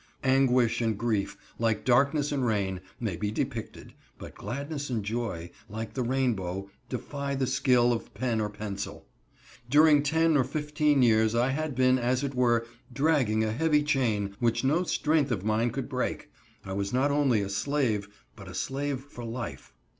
Anguish and grief, like darkness and rain, may be depicted; but gladness and joy, like the rainbow, defy the skill of pen or pencil. During ten or fifteen years I had been, as it were, dragging a heavy chain which no strength of mine could break; I was not only a slave, but a slave for life.